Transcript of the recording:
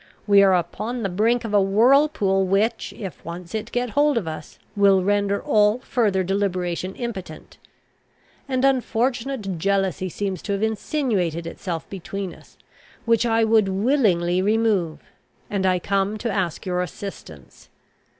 We are upon the brink of a whirlpool which, if once it get hold of us, will render all further deliberation impotent. An unfortunate jealousy seems to have insinuated itself between us, which I would willingly remove; and I come to ask your assistance.